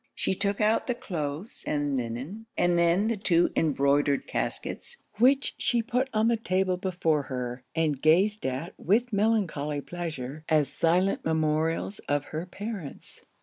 She took out the cloaths and linen, and then the two embroidered caskets, which she put on the table before her, and gazed at with melancholy pleasure, as silent memorials of her parents.